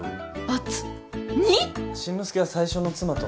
あっ。